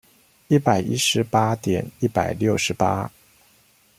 一百一十八點一百六十八